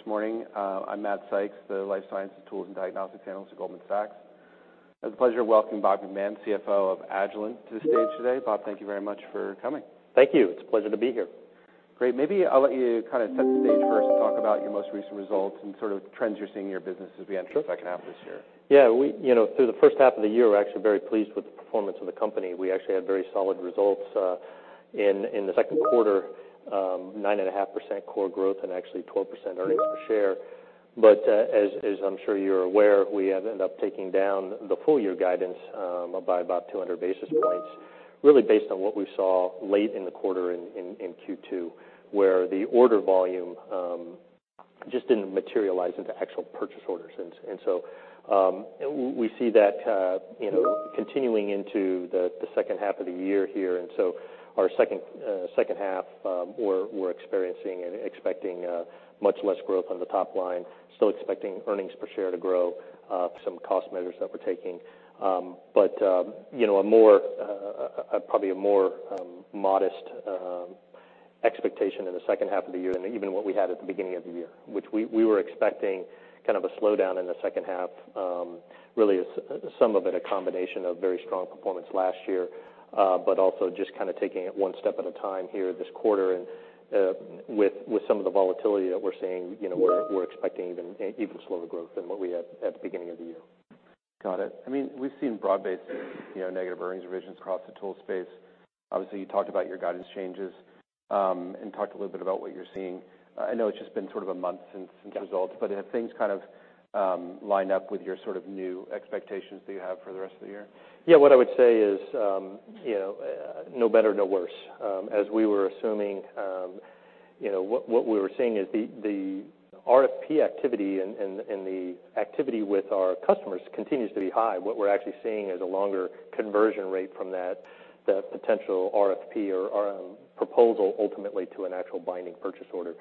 This morning, I'm Matt Sykes, the life sciences tools and diagnostics analyst at Goldman Sachs. I have the pleasure of welcoming Bob McMahon, CFO of Agilent, to the stage today. Bob, thank you very much for coming. Thank you. It's a pleasure to be here. Great. Maybe I'll let you kind of set the stage first and talk about your most recent results and sort of trends you're seeing in your business as we enter-. Sure the second half of this year. Yeah, we, you know, through the first half of the year, we're actually very pleased with the performance of the company. We actually had very solid results in the Q2, 9.5% core growth and actually 12% earnings per share. As I'm sure you're aware, we have ended up taking down the full year guidance by about 200 basis points, really based on what we saw late in the quarter in Q2, where the order volume just didn't materialize into actual purchase orders. We see that, you know, continuing into the second half of the year here. Our second half, we're experiencing and expecting much less growth on the top line, still expecting earnings per share to grow, some cost measures that we're taking. You know, a more, probably a more modest expectation in the second half of the year than even what we had at the beginning of the year, which we were expecting kind of a slowdown in the second half. Really, as some of it, a combination of very strong performance last year, but also just kind of taking it one step at a time here this quarter. With some of the volatility that we're seeing, you know, we're expecting even slower growth than what we had at the beginning of the year. Got it. I mean, we've seen broad-based, you know, negative earnings revisions across the tool space. Obviously, you talked about your guidance changes, and talked a little bit about what you're seeing. I know it's just been sort of a month. Yeah the results, but have things kind of, lined up with your sort of new expectations that you have for the rest of the year? Yeah, what I would say is, you know, no better, no worse. As we were assuming, you know, what we were seeing is the RFP activity and the activity with our customers continues to be high. What we're actually seeing is a longer conversion rate from that potential RFP or proposal ultimately to an actual binding purchase order.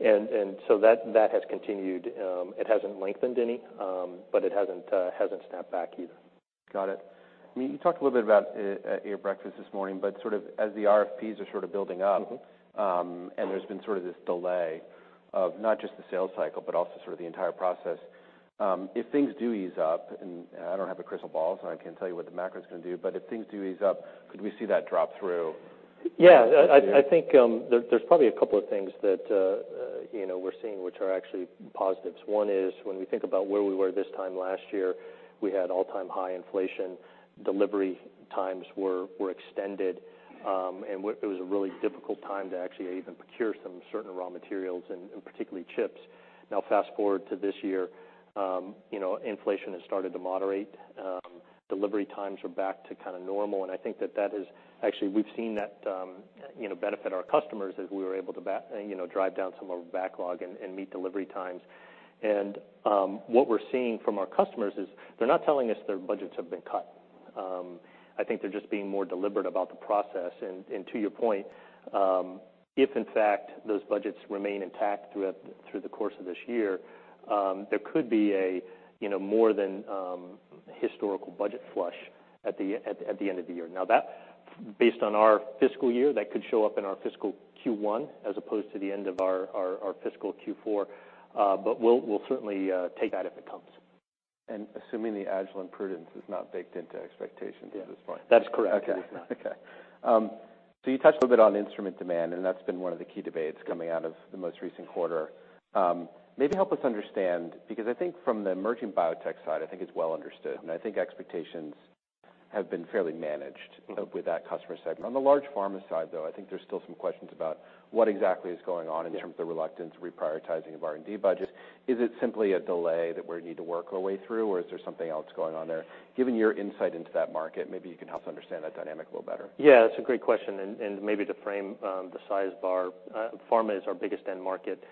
So that has continued. It hasn't lengthened any, but it hasn't snapped back either. Got it. You talked a little bit about at your breakfast this morning, sort of as the RFPs are building up… Mm-hmm there's been sort of this delay of not just the sales cycle, but also sort of the entire process. If things do ease up, and I don't have a crystal ball, so I can't tell you what the macro is gonna do, but if things do ease up, could we see that drop through? Yeah, I think, there's probably a couple of things that, you know, we're seeing, which are actually positives. One is, when we think about where we were this time last year, we had all-time high inflation, delivery times were extended, and it was a really difficult time to actually even procure some certain raw materials and particularly chips. Fast-forward to this year, you know, inflation has started to moderate, delivery times are back to kind of normal, and I think that that is actually, we've seen that, you know, benefit our customers as we were able to drive down some of our backlog and meet delivery times. What we're seeing from our customers is they're not telling us their budgets have been cut. I think they're just being more deliberate about the process. to your point, if in fact those budgets remain intact throughout, through the course of this year, there could be a, you know, more than historical budget flush at the end of the year. Now, that, based on our fiscal year, that could show up in our fiscal Q1 as opposed to the end of our fiscal Q4. but we'll certainly take that if it comes. Assuming the Agilent prudence is not baked into expectations at this point. That's correct. Okay. Okay. You touched a little bit on instrument demand, and that's been one of the key debates coming out of the most recent quarter. Maybe help us understand, because I think from the emerging biotech side, I think it's well understood, and I think expectations have been fairly managed. Mm-hmm With that customer segment. On the large pharma side, though, I think there's still some questions about what exactly is going on. Yeah In terms of the reluctance, reprioritizing of R&D budgets. Is it simply a delay that we need to work our way through, or is there something else going on there? Given your insight into that market, maybe you can help us understand that dynamic a little better. Yeah, that's a great question, and maybe to frame the size bar, pharma is our biggest end market.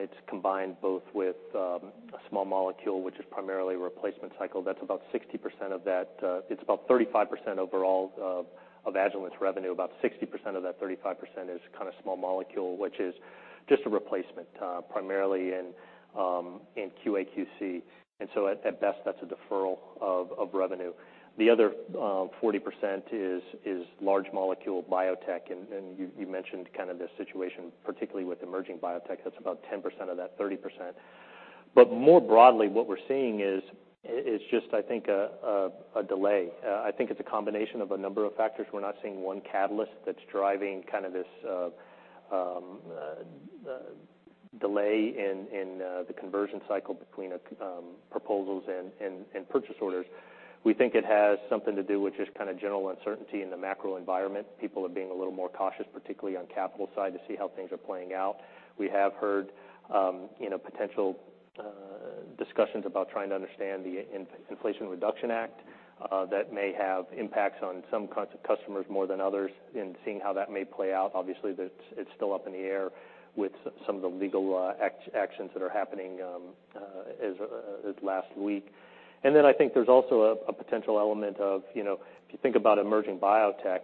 It's combined both with a small molecule, which is primarily a replacement cycle. That's about 60% of that. It's about 35% overall of Agilent's revenue. About 60% of that 35% is kind of small molecule, which is just a replacement, primarily in QA/QC, and so at best, that's a deferral of revenue. The other 40% is large molecule biotech. You mentioned kind of the situation, particularly with emerging biotech. That's about 10% of that 30%. More broadly, what we're seeing is just, I think a delay. I think it's a combination of a number of factors. We're not seeing one catalyst that's driving kind of this delay in the conversion cycle between proposals and purchase orders. We think it has something to do with just kind of general uncertainty in the macro environment. People are being a little more cautious, particularly on capital side, to see how things are playing out. We have heard, you know, potential discussions about trying to understand the Inflation Reduction Act, that may have impacts on some kinds of customers more than others, and seeing how that may play out. Obviously, that it's still up in the air with some of the legal actions that are happening as last week. I think there's also a potential element of, you know, if you think about emerging biotech,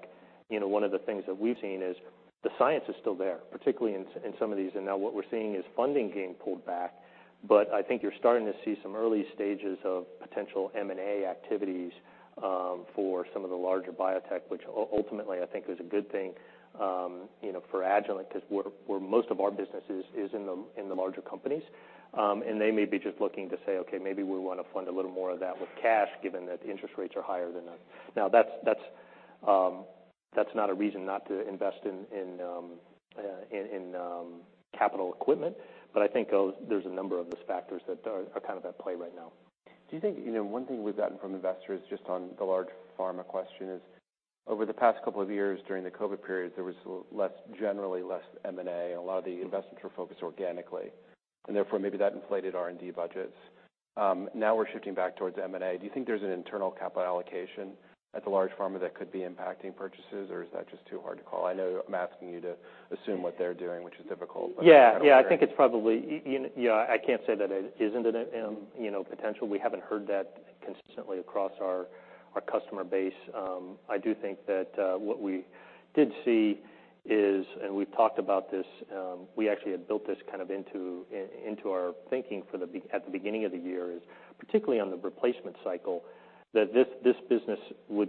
you know, one of the things that we've seen is the science is still there, particularly in some of these. Now what we're seeing is funding getting pulled back. I think you're starting to see some early stages of potential M&A activities for some of the larger biotech, which ultimately, I think is a good thing, you know, for Agilent, because where most of our business is in the, in the larger companies. They may be just looking to say, okay, maybe we want to fund a little more of that with cash, given that the interest rates are higher than us. That's not a reason not to invest in capital equipment, but I think there's a number of those factors that are kind of at play right now. Do you think, you know, one thing we've gotten from investors, just on the large pharma question is, over the past couple of years, during the COVID period, there was less, generally less M&A. A lot of the investments were focused organically, and therefore, maybe that inflated R&D budgets. Now we're shifting back towards M&A. Do you think there's an internal capital allocation at the large pharma that could be impacting purchases, or is that just too hard to call? I know I'm asking you to assume what they're doing, which is difficult. Yeah, yeah, I think it's probably. You know, I can't say that it isn't an, you know, potential. We haven't heard that consistently across our customer base. I do think that what we did see is, and we've talked about this, we actually had built this kind of into our thinking for at the beginning of the year, is particularly on the replacement cycle, that this business was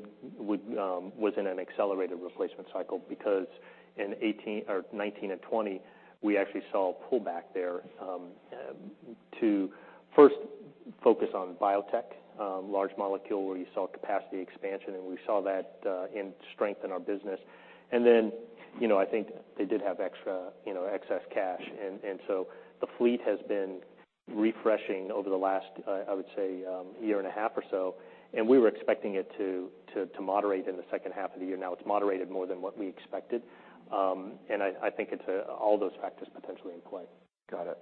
in an accelerated replacement cycle. In 2018 or 2019 and 2020, we actually saw a pullback there, to first focus on biotech, large molecule, where you saw capacity expansion, and we saw that in strength in our business. You know, I think they did have extra, you know, excess cash. The fleet has been refreshing over the last, I would say, year and a half or so, and we were expecting it to moderate in the second half of the year. It's moderated more than what we expected, and I think it's all those factors potentially in play. Got it.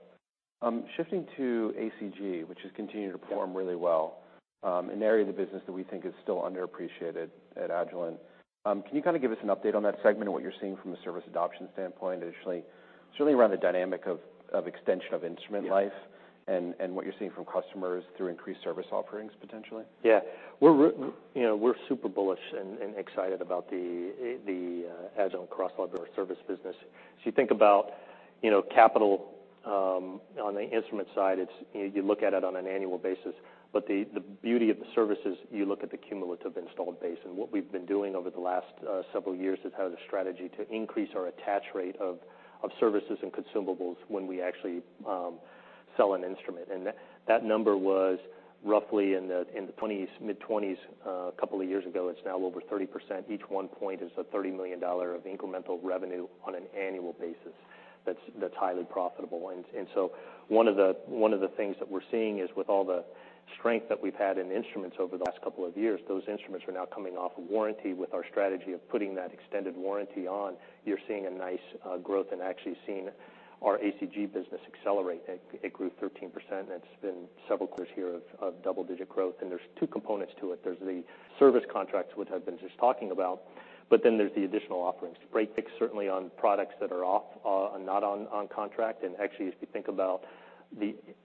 Shifting to ACG, which has continued to perform- Yeah really well, an area of the business that we think is still underappreciated at Agilent. Can you kind of give us an update on that segment and what you're seeing from a service adoption standpoint, additionally, certainly around the dynamic of extension of instrument life... Yeah and what you're seeing from customers through increased service offerings, potentially? Yeah. We're you know, we're super bullish and excited about the Agilent CrossLab or service business. You think about, you know, capital on the instrument side, it's, you know, you look at it on an annual basis, but the beauty of the services, you look at the cumulative installed base. What we've been doing over the last several years has had a strategy to increase our attach rate of services and consumables when we actually sell an instrument. That number was roughly in the 20s, mid-20s, a couple of years ago. It's now over 30%. Each one point is a $30 million of incremental revenue on an annual basis that's highly profitable. One of the things that we're seeing is with all the strength that we've had in instruments over the last couple of years, those instruments are now coming off of warranty. With our strategy of putting that extended warranty on, you're seeing a nice growth and actually seeing our ACG business accelerate. It grew 13%, and it's been several years of double-digit growth, and there's two components to it. There's the service contracts, which I've been just talking about, but then there's the additional offerings to break fix, certainly on products that are off, not on contract. Actually, if you think about the,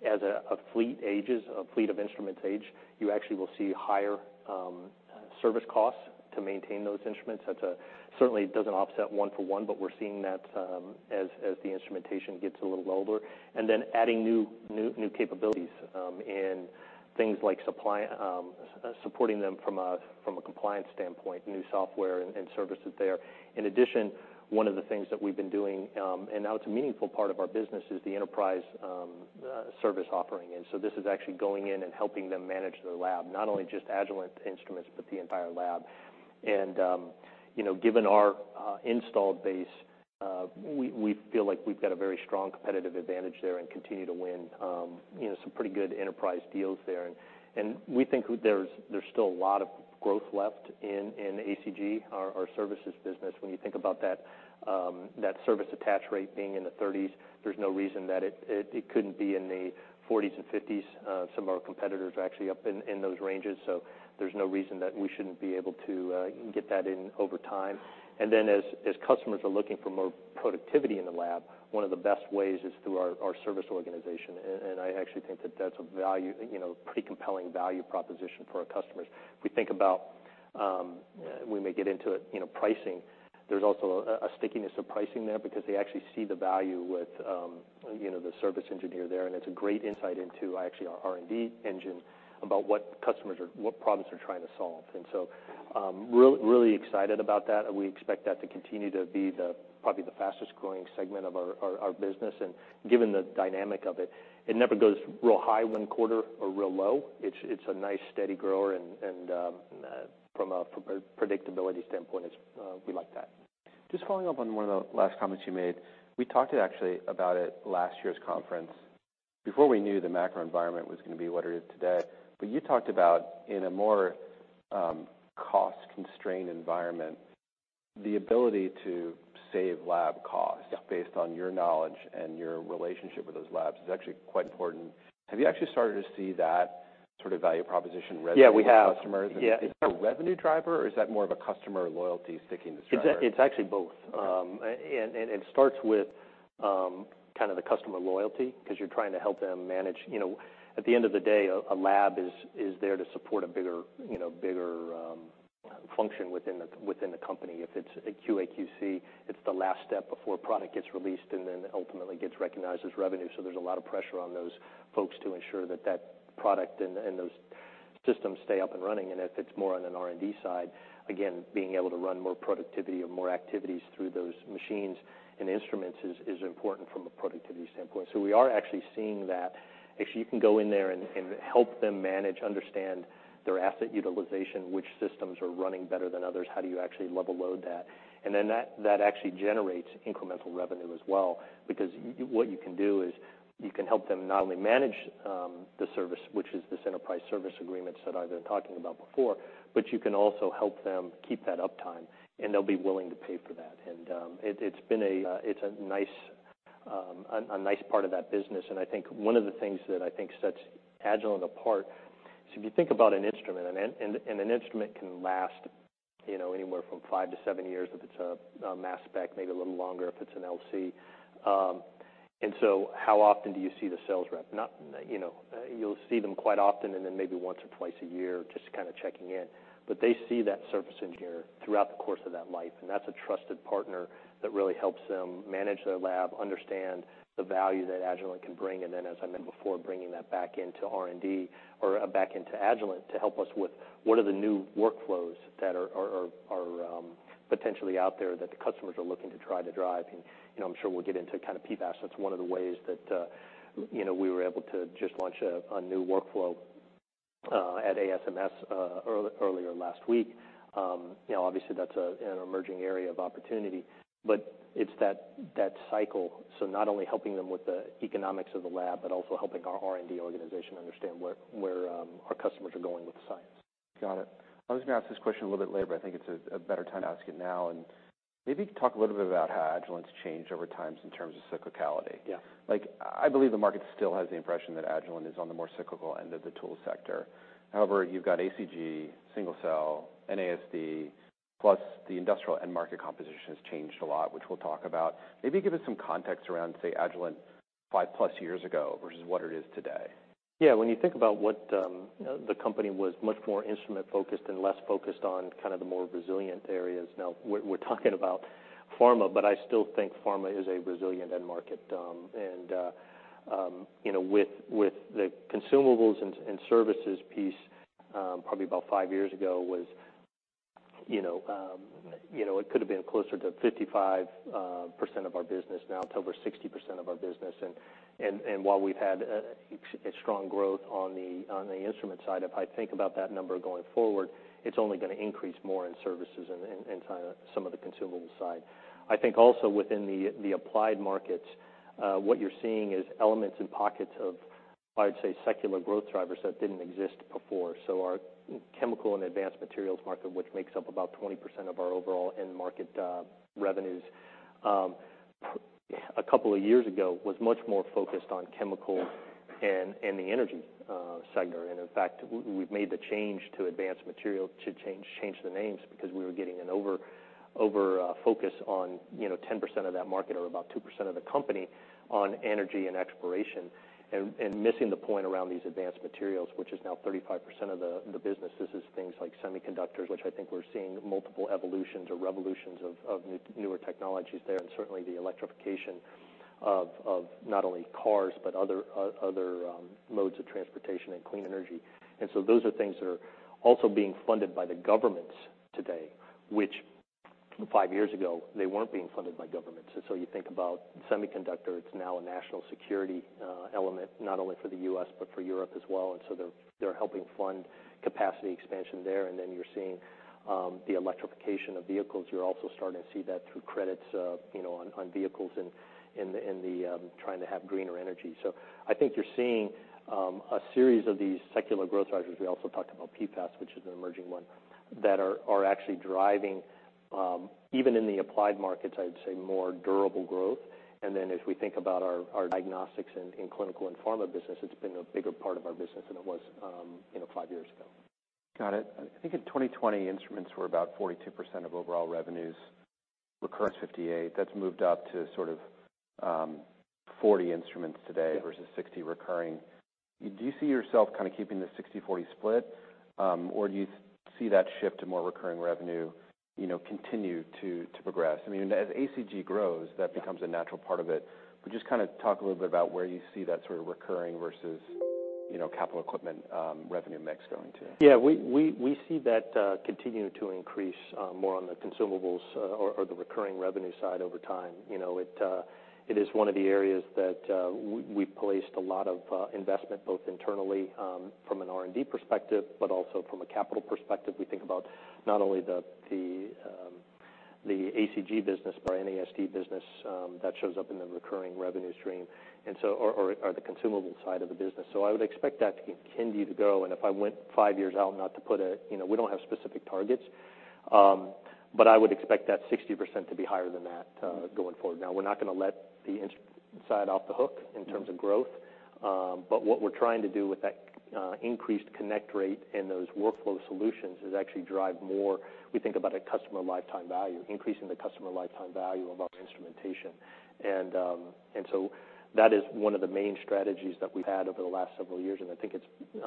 as a fleet ages, a fleet of instruments age, you actually will see higher service costs to maintain those instruments. That's certainly, it doesn't offset one for one, but we're seeing that, as the instrumentation gets a little older, and then adding new capabilities, in things like supply, supporting them from a, from a compliance standpoint, new software and services there. In addition, one of the things that we've been doing, and now it's a meaningful part of our business, is the enterprise service offering. This is actually going in and helping them manage their lab, not only just Agilent instruments, but the entire lab. you know, given our installed base, we feel like we've got a very strong competitive advantage there and continue to win, you know, some pretty good enterprise deals there. We think there's still a lot of growth left in ACG, our services business. When you think about that service attach rate being in the 30s, there's no reason that it couldn't be in the 40s and 50s. Some of our competitors are actually up in those ranges, so there's no reason that we shouldn't be able to get that in over time. Then as customers are looking for more productivity in the lab, one of the best ways is through our service organization. I actually think that that's a value, you know, pretty compelling value proposition for our customers. If we think about, when we get into, you know, pricing, there's also a stickiness of pricing there because they actually see the value with, you know, the service engineer there, and it's a great insight into actually our R&D engine about what problems they're trying to solve. Really excited about that, and we expect that to continue to be the, probably the fastest growing segment of our business. Given the dynamic of it never goes real high one quarter or real low. It's a nice steady grower, and from a predictability standpoint, we like that. Just following up on one of the last comments you made. We talked actually about it last year's conference, before we knew the macro environment was going to be what it is today. You talked about in a more, cost-constrained environment, the ability to save lab costs... Yeah... based on your knowledge and your relationship with those labs, is actually quite important. Have you actually started to see that sort of value proposition resonate? Yeah, we have. -with customers? Yeah. Is that a revenue driver, or is that more of a customer loyalty stickiness driver? It's actually both. Okay. It starts with kind of the customer loyalty, because you're trying to help them manage. You know, at the end of the day, a lab is there to support a bigger function within the company. If it's a QA/QC, it's the last step before product gets released and then ultimately gets recognized as revenue. There's a lot of pressure on those folks to ensure that product and those systems stay up and running. If it's more on an R&D side, again, being able to run more productivity or more activities through those machines and instruments is important from a productivity standpoint. We are actually seeing that if you can go in there and help them manage, understand their asset utilization, which systems are running better than others, how do you actually level load that? That actually generates incremental revenue as well, because what you can do is you can help them not only manage the service, which is this enterprise service agreements that I've been talking about before, but you can also help them keep that uptime, and they'll be willing to pay for that. It's been a, it's a nice part of that business. I think one of the things that I think sets Agilent apart. If you think about an instrument, and an instrument can last, you know, anywhere from five to seven years, if it's a mass spec, maybe a little longer, if it's an LC. How often do you see the sales rep? Not, you know, you'll see them quite often, and then maybe once or twice a year, just kind of checking in. They see that service engineer throughout the course of that life, and that's a trusted partner that really helps them manage their lab, understand the value that Agilent can bring, and then, as I mentioned before, bringing that back into R&D or back into Agilent to help us with what are the new workflows that are potentially out there that the customers are looking to try to drive. You know, I'm sure we'll get into kind of PFAS. That's one of the ways that, you know, we were able to just launch a new workflow at ASMS earlier last week. You know, obviously, that's an emerging area of opportunity, but it's that cycle. Not only helping them with the economics of the lab, but also helping our R&D organization understand where our customers are going with the science. Got it. I was gonna ask this question a little bit later, but I think it's a better time to ask it now. Maybe talk a little bit about how Agilent's changed over time in terms of cyclicality. Yeah. Like, I believe the market still has the impression that Agilent is on the more cyclical end of the tool sector. However, you've got ACG, single cell, NASD, plus the industrial end market composition has changed a lot, which we'll talk about. Maybe give us some context around, say, Agilent 5+ years ago versus what it is today. Yeah. When you think about what, the company was much more instrument-focused and less focused on kind of the more resilient areas, now we're talking about pharma, I still think pharma is a resilient end market. With the consumables and services piece, probably about five years ago, it could have been closer to 55% of our business. Now it's over 60% of our business. While we've had a strong growth on the instrument side, if I think about that number going forward, it's only gonna increase more in services and some of the consumable side. I think also within the applied markets, what you're seeing is elements and pockets of, I'd say, secular growth drivers that didn't exist before. Our chemical and advanced materials market, which makes up about 20% of our overall end market revenues, a couple of years ago, was much more focused on chemical and the energy segment. In fact, we've made the change to advanced material to change the names because we were getting an over focus on, you know, 10% of that market or about 2% of the company on energy and exploration, and missing the point around these advanced materials, which is now 35% of the business. This is things like semiconductors, which I think we're seeing multiple evolutions or revolutions of newer technologies there, and certainly the electrification of not only cars, but other modes of transportation and clean energy. Those are things that are also being funded by the governments today, which five years ago, they weren't being funded by governments. You think about semiconductor, it's now a national security element, not only for the U.S., but for Europe as well. They're helping fund capacity expansion there. You're seeing the electrification of vehicles. You're also starting to see that through credits, you know, on vehicles and the trying to have greener energy. I think you're seeing a series of these secular growth drivers. We also talked about PFAS, which is an emerging one, that are actually driving even in the applied markets, I'd say more durable growth. As we think about our diagnostics in clinical and pharma business, it's been a bigger part of our business than it was, you know, five years ago. Got it. I think in 2020, instruments were about 42% of overall revenues, recurring 58%. That's moved up to sort of, 40 instruments today- Yeah. versus 60 recurring. Do you see yourself kind of keeping the 60/40 split? Or do you see that shift to more recurring revenue, you know, continue to progress? I mean, as ACG grows, that becomes a natural part of it. Just kind of talk a little bit about where you see that sort of recurring versus, you know, capital equipment, revenue mix going to. Yeah, we see that continuing to increase more on the consumables or the recurring revenue side over time. You know, it is one of the areas that we placed a lot of investment, both internally from an R&D perspective, but also from a capital perspective. We think about not only the ACG business or NASD business that shows up in the recurring revenue stream. The consumable side of the business. I would expect that to continue to grow. If I went five years out, you know, we don't have specific targets, but I would expect that 60% to be higher than that going forward. Now, we're not gonna let the side off the hook in terms of growth. What we're trying to do with that increased connect rate and those workflow solutions is actually drive more, we think about a customer lifetime value, increasing the customer lifetime value of our instrumentation. That is one of the main strategies that we've had over the last several years, and I think it's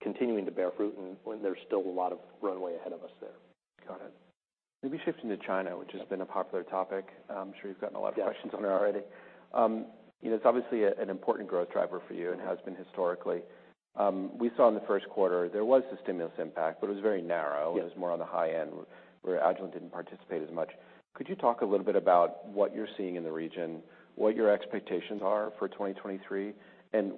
continuing to bear fruit, and there's still a lot of runway ahead of us there. Got it. Maybe shifting to China, which has been a popular topic. I'm sure you've gotten a lot of questions on it already. It's obviously an important growth driver for you and has been historically. We saw in the first quarter there was a stimulus impact, but it was very narrow. Yeah. It was more on the high end, where Agilent didn't participate as much. Could you talk a little bit about what you're seeing in the region, what your expectations are for 2023?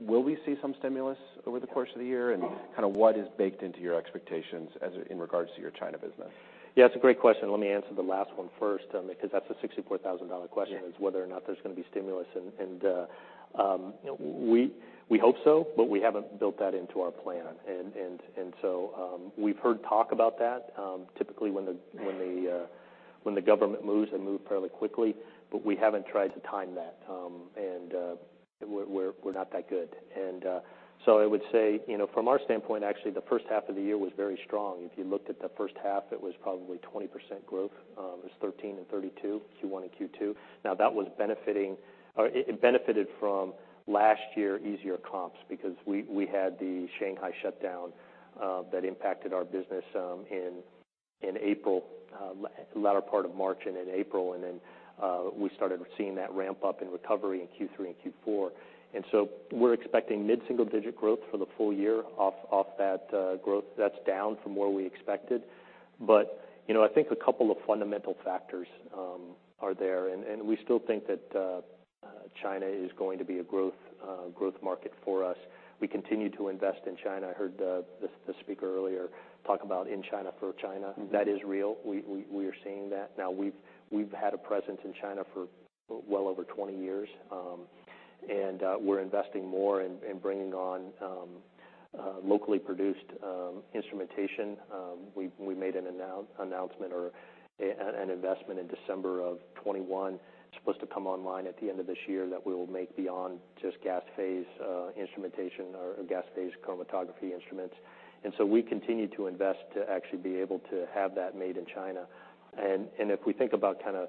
Will we see some stimulus over the course of the year? Kind of what is baked into your expectations in regards to your China business? Yeah, it's a great question. Let me answer the last one first, because that's a $64,000 question. Yeah Is whether or not there's gonna be stimulus. We hope so, but we haven't built that into our plan. We've heard talk about that, typically when the government moves, they move fairly quickly, but we haven't tried to time that, and we're not that good. I would say, you know, from our standpoint, actually, the first half of the year was very strong. If you looked at the first half, it was probably 20% growth, it was 13% and 32%, Q1 and Q2. It benefited from last year easier comps because we had the Shanghai shutdown that impacted our business in April, latter part of March and in April, then we started seeing that ramp up in recovery in Q3 and Q4. We're expecting mid-single digit growth for the full year off that growth. That's down from where we expected. You know, I think a couple of fundamental factors are there, and we still think that China is going to be a growth market for us. We continue to invest in China. I heard the speaker earlier talk about in China, for China. Mm-hmm. That is real. We are seeing that. Now, we've had a presence in China for well over 20 years, and we're investing more in bringing on locally produced instrumentation. We made an announcement or an investment in December of 2021. It's supposed to come online at the end of this year, that we will make beyond just gas phase instrumentation or gas phase chromatography instruments. We continue to invest to actually be able to have that made in China. If we think about kind of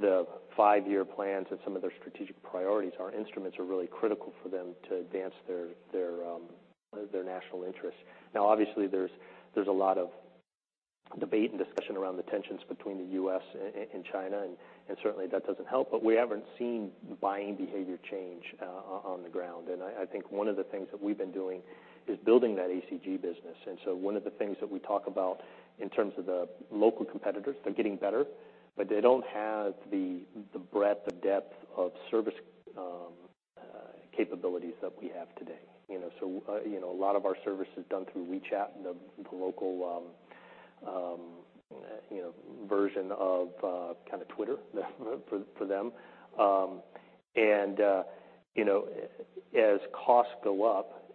the five year plans and some of their strategic priorities, our instruments are really critical for them to advance their national interests. Now, obviously, there's a lot of debate and discussion around the tensions between the U.S. and China, and certainly that doesn't help, but we haven't seen buying behavior change on the ground. I think one of the things that we've been doing is building that ACG business. One of the things that we talk about in terms of the local competitors, they're getting better, but they don't have the breadth, the depth of service capabilities that we have today. You know, a lot of our service is done through WeChat, the local, you know, version of kind of X for them. you know, as costs go up,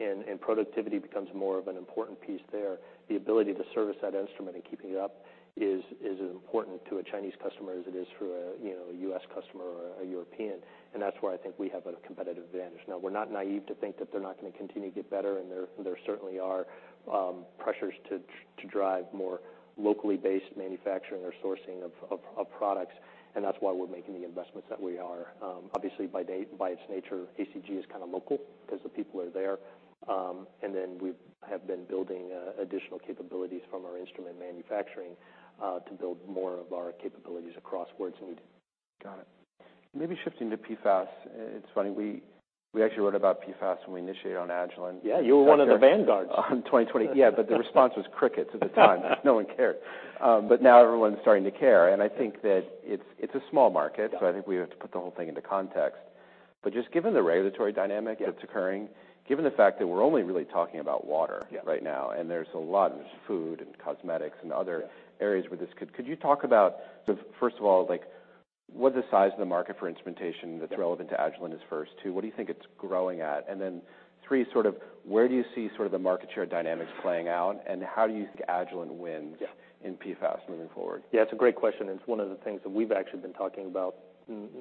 and productivity becomes more of an important piece there, the ability to service that instrument and keeping it up is as important to a Chinese customer as it is for a, you know, a U.S. customer or a European. That's why I think we have a competitive advantage. We're not naive to think that they're not gonna continue to get better, and there certainly are pressures to drive more locally based manufacturing or sourcing of products, and that's why we're making the investments that we are. Obviously, by its nature, ACG is kind of local because the people are there. Then we have been building additional capabilities from our instrument manufacturing to build more of our capabilities across where it's needed. Got it. Maybe shifting to PFAS. It's funny, we actually wrote about PFAS when we initiated on Agilent. Yeah, you were one of the vanguards. 2020. The response was crickets at the time. No one cared. Now everyone's starting to care, and I think that it's a small market. Yeah I think we have to put the whole thing into context. Just given the regulatory dynamic. Yeah -that's occurring, given the fact that we're only really talking about water- Yeah right now, and there's a lot, there's food and cosmetics and other... Yeah areas where this could you talk about, first of all, like, what's the size of the market for instrumentation that's relevant to Agilent is first? Two, what do you think it's growing at? Three, sort of, where do you see the market share dynamics playing out, and how do you think Agilent wins- Yeah in PFAS moving forward? Yeah, it's a great question, and it's one of the things that we've actually been talking about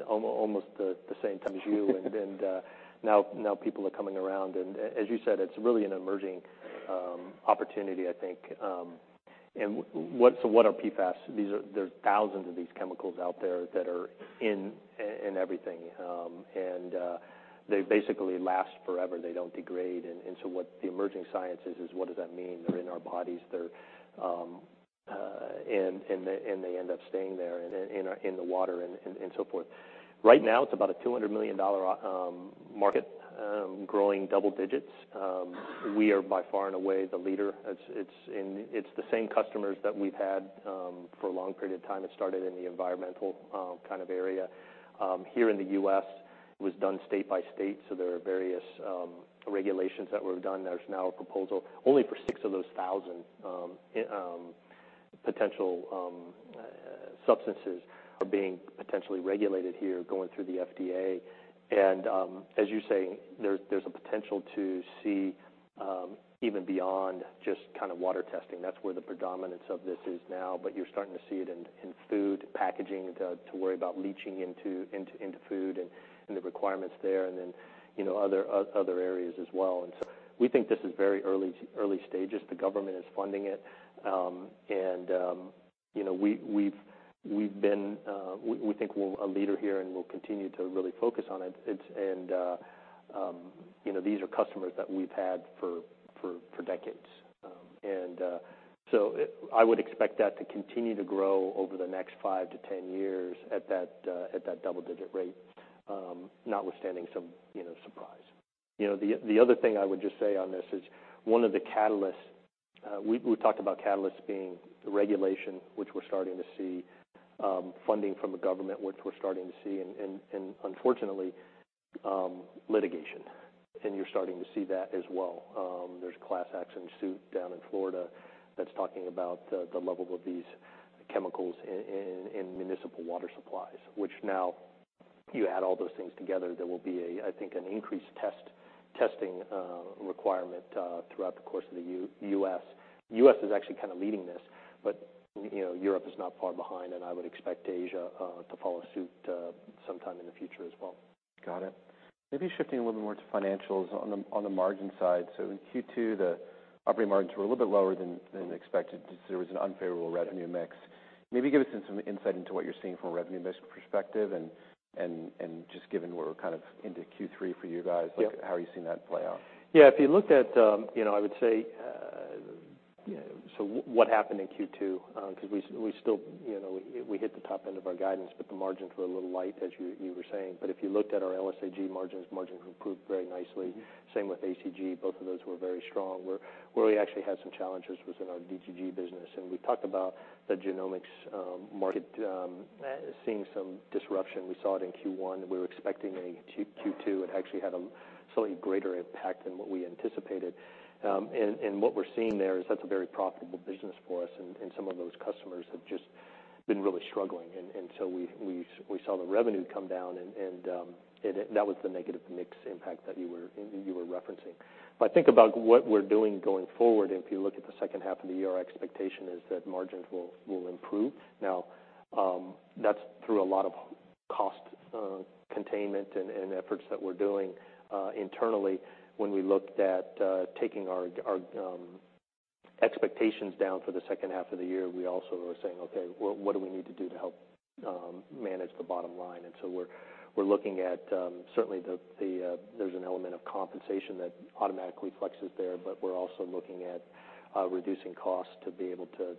almost the same time as you. Now people are coming around, and as you said, it's really an emerging opportunity, I think. So what are PFAS? There are thousands of these chemicals out there that are in everything, and they basically last forever. They don't degrade. So what the emerging science is what does that mean? They're in our bodies, they're and they end up staying there, in the water and so forth. Right now, it's about a $200 million market, growing double digits. We are by far and away, the leader. It's the same customers that we've had for a long period of time. It started in the environmental kind of area. Here in the U.S., it was done state by state, so there are various regulations that were done. There's now a proposal only for 6 of those 1,000 potential substances are being potentially regulated here, going through the FDA. As you say, there's a potential to see even beyond just kind of water testing. That's where the predominance of this is now. You're starting to see it in food, packaging, to worry about leaching into food and the requirements there, then, you know, other areas as well. We think this is very early stages. The government is funding it. You know, we think we're a leader here, and we'll continue to really focus on it. It's, you know, these are customers that we've had for decades. I would expect that to continue to grow over the next 5 to 10 years at that double-digit rate, notwithstanding some, you know, surprise. You know, the other thing I would just say on this is one of the catalysts, we talked about catalysts being regulation, which we're starting to see, funding from the government, which we're starting to see, and unfortunately, litigation, and you're starting to see that as well. There's a class action suit down in Florida that's talking about the level of these chemicals in municipal water supplies, which now you add all those things together, there will be a, I think, an increased testing requirement, throughout the course of the U.S., U.S. is actually kind of leading this, but, you know, Europe is not far behind, and I would expect Asia to follow suit sometime in the future as well. Got it. Maybe shifting a little bit more to financials on the margin side. In Q2, the operating margins were a little bit lower than expected since there was an unfavorable revenue mix. Maybe give us some insight into what you're seeing from a revenue mix perspective and just given we're kind of into Q3 for you guys. Yep. like, how are you seeing that play out? Yeah, if you looked at, you know, I would say, what happened in Q2? Because we still, you know, we hit the top end of our guidance, the margins were a little light, as you were saying. If you looked at our LSAG margins improved very nicely. Same with ACG. Both of those were very strong. Where we actually had some challenges was in our DGG business, we talked about the genomics market seeing some disruption. We saw it in Q1. We were expecting a Q2. It actually had a slightly greater impact than what we anticipated. What we're seeing there is that's a very profitable business for us, some of those customers have just been really struggling. We saw the revenue come down, and that was the negative mix impact that you were referencing. If I think about what we're doing going forward, if you look at the second half of the year, our expectation is that margins will improve. Now, that's through a lot of cost containment and efforts that we're doing internally. When we looked at taking our expectations down for the second half of the year, we also were saying, "Okay, well, what do we need to do to help manage the bottom line?" We're looking at certainly there's an element of compensation that automatically flexes there, but we're also looking at reducing costs to be able to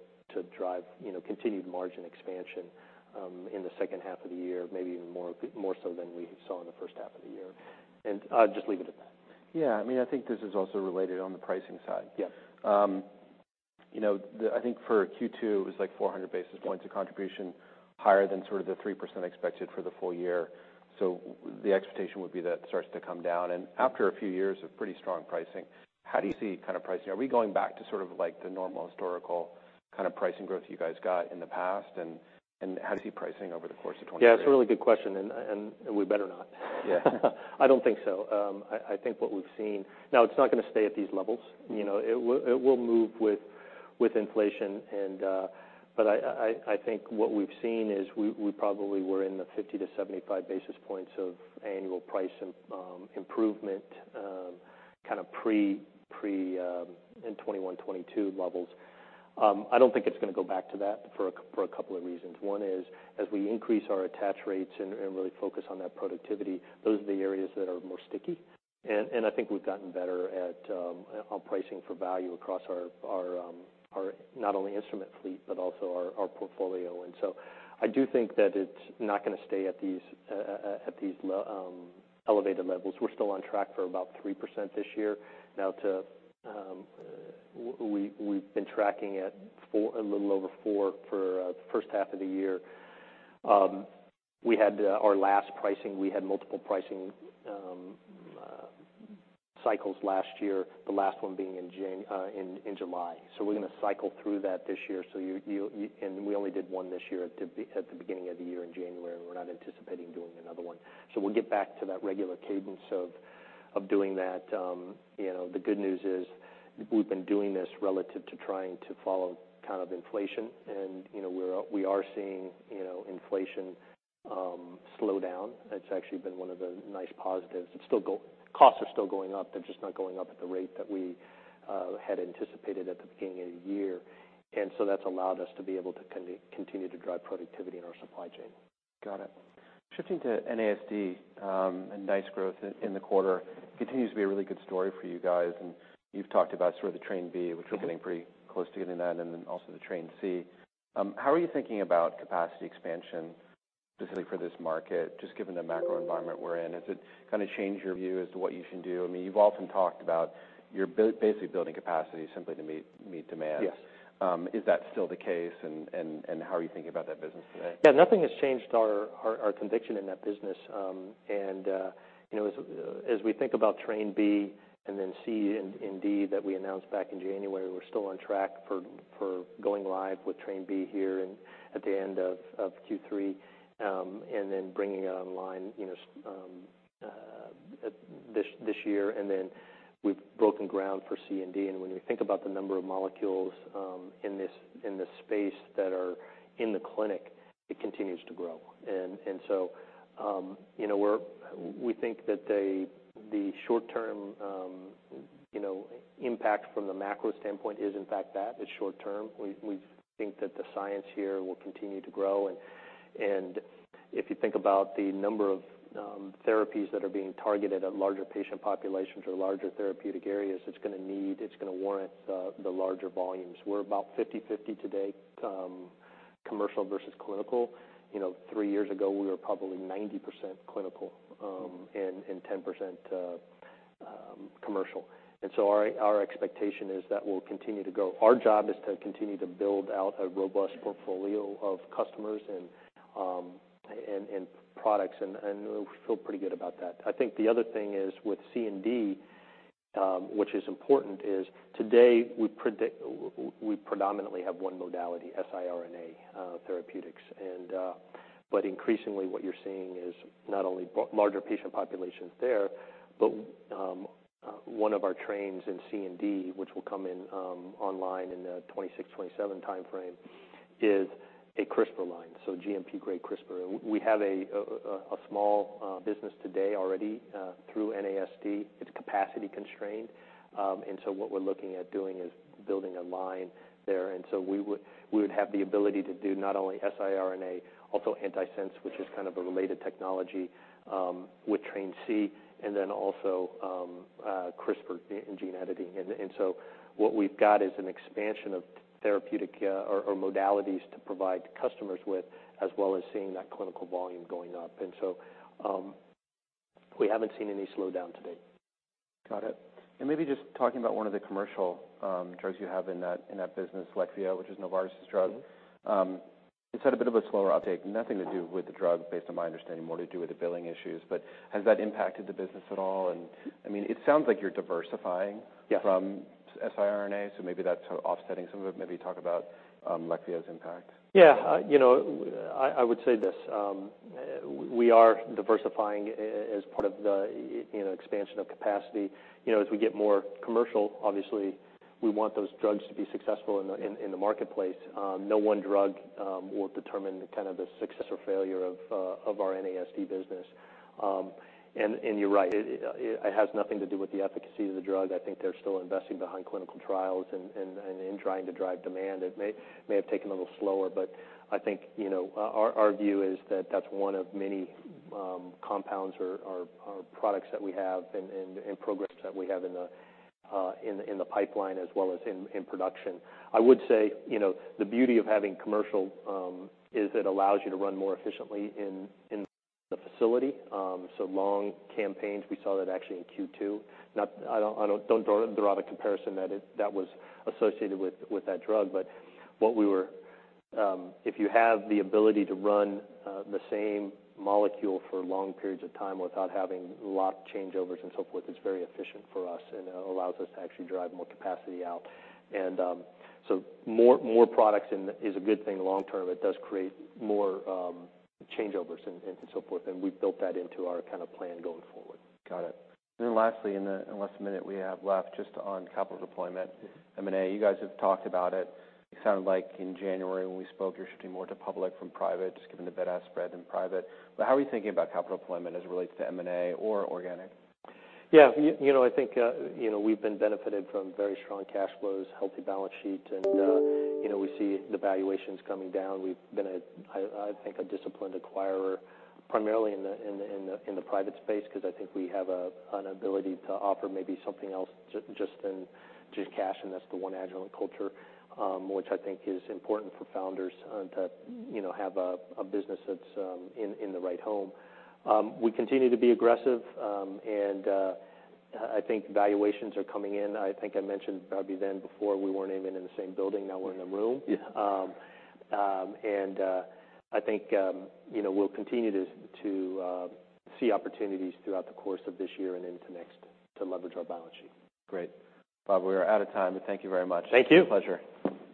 drive, you know, continued margin expansion in the second half of the year, maybe even more so than we saw in the first half of the year. I'll just leave it at that. Yeah, I mean, I think this is also related on the pricing side. Yes. You know, I think for Q2, it was like 400 basis points of contribution, higher than sort of the 3% expected for the full year. The expectation would be that starts to come down. After a few years of pretty strong pricing, how do you see kind of pricing? Are we going back to sort of like the normal historical kind of pricing growth you guys got in the past? How do you see pricing over the course of 2023? Yeah, it's a really good question, and we better not. Yeah. I don't think so. I think what we've seen. Now, it's not gonna stay at these levels. You know, it will move with inflation, but I think what we've seen is we probably were in the 50 to 75 basis points of annual price improvement, kind of pre, in 2021, 2022 levels. I don't think it's gonna go back to that for a couple of reasons. One is, as we increase our attach rates and really focus on that productivity, those are the areas that are more sticky. I think we've gotten better at on pricing for value across our not only instrument fleet, but also our portfolio. I do think that it's not gonna stay at these elevated levels. We're still on track for about 3% this year. Now, to, we've been tracking at four, a little over four for the first half of the year. We had our last pricing, we had multiple pricing cycles last year, the last one being in July. We're gonna cycle through that this year. You, and we only did one this year at the beginning of the year in January, and we're not anticipating doing another one. We'll get back to that regular cadence of doing that. You know, the good news is, we've been doing this relative to trying to follow kind of inflation. You know, we are seeing, you know, inflation, slow down. That's actually been one of the nice positives. Costs are still going up. They're just not going up at the rate that we had anticipated at the beginning of the year. That's allowed us to be able to continue to drive productivity in our supply chain. Got it. Shifting to NASD, a nice growth in the quarter, continues to be a really good story for you guys, and you've talked about sort of the Train B, which you're getting pretty close to getting that, and then also the Train C. How are you thinking about capacity expansion, specifically for this market, just given the macro environment we're in? Has it kind of changed your view as to what you should do? I mean, you're basically building capacity simply to meet demand. Yes. Is that still the case, and how are you thinking about that business today? Nothing has changed our conviction in that business. You know, as we think about Train B and then Train C and Train D, that we announced back in January, we're still on track for going live with Train B here at the end of Q3, and then bringing it online, you know, this year. Then we've broken ground for Train C and Train D, and when we think about the number of molecules in this space that are in the clinic, it continues to grow. So, you know, we think that the short term, you know, impact from the macro standpoint is, in fact, that. It's short term. We think that the science here will continue to grow, and... If you think about the number of therapies that are being targeted at larger patient populations or larger therapeutic areas, it's gonna need, it's gonna warrant the larger volumes. We're about 50/50 today, commercial versus clinical. You know, three years ago, we were probably 90% clinical, and 10% commercial. Our expectation is that we'll continue to grow. Our job is to continue to build out a robust portfolio of customers and products, and we feel pretty good about that. I think the other thing is with C and D, which is important, is today, we predominantly have one modality, siRNA therapeutics. Increasingly, what you're seeing is not only larger patient populations there, but one of our trains in Train C and Train D, which will come in online in the 2026, 2027 timeframe, is a CRISPR line, so GMP-grade CRISPR. We have a small business today already through NASD. It's capacity constrained, and so what we're looking at doing is building a line there. We would have the ability to do not only siRNA, also antisense, which is kind of a related technology, with Train C, and then also CRISPR in gene editing. What we've got is an expansion of therapeutic or modalities to provide customers with, as well as seeing that clinical volume going up. We haven't seen any slowdown to date. Got it. maybe just talking about one of the commercial drugs you have in that, in that business, Pluvicto, which is Novartis' drug. Mm-hmm. It's had a bit of a slower uptake, nothing to do with the drug based on my understanding, more to do with the billing issues. Has that impacted the business at all? I mean, it sounds like you're diversifying-… Yeah... from siRNAs, so maybe that's offsetting some of it. Maybe talk about Pluvicto's impact. Yeah, you know, I would say this. We are diversifying as part of the, you know, expansion of capacity. You know, as we get more commercial, obviously, we want those drugs to be successful in the marketplace. No one drug will determine the kind of the success or failure of our NASD business. You're right, it has nothing to do with the efficacy of the drug. I think they're still investing behind clinical trials and in trying to drive demand. It may have taken a little slower, but I think, you know, our view is that that's one of many compounds or products that we have and progress that we have in the pipeline as well as in production. I would say, you know, the beauty of having commercial is it allows you to run more efficiently in the facility. Long campaigns, we saw that actually in Q2. I don't draw the comparison that it was associated with that drug. What we were, if you have the ability to run the same molecule for long periods of time without having lot changeovers and so forth, it's very efficient for us and allows us to actually drive more capacity out. More products in- is a good thing long term. It does create more changeovers and so forth, and we've built that into our kind of plan going forward. Got it. Lastly, in the last minute we have left, just on capital deployment. M&A, you guys have talked about it. It sounded like in January, when we spoke, you're shifting more to public from private, just given the bid-ask spread in private. How are you thinking about capital deployment as it relates to M&A or organic? Yeah, you know, I think, you know, we've been benefited from very strong cash flows, healthy balance sheet. You know, we see the valuations coming down. We've been, I think, a disciplined acquirer, primarily in the private space, because I think we have an ability to offer maybe something else just in cash, and that's the one Agilent culture, which I think is important for founders to, you know, have a business that's in the right home. We continue to be aggressive. I think valuations are coming in. I think I mentioned, Bobby, then before we weren't even in the same building, now we're in a room. Yeah. I think, you know, we'll continue to see opportunities throughout the course of this year and into next to leverage our balance sheet. Great. Bob, we are out of time, but thank you very much. Thank you. It's a pleasure.